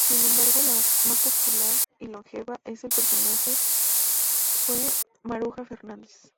Sin embargo la más popular y longeva en el personaje fue Maruja Fernández.